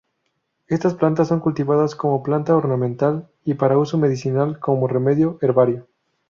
Estas plantas son cultivadas como planta ornamental y para uso medicinal como remedio herbario.